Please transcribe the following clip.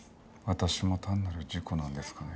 私も単なる事故なんですかね？